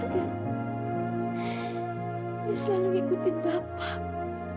dia selalu ngikutin bapak